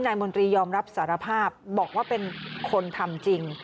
มนตรียอมรับสารภาพบอกว่าเป็นคนทำจริง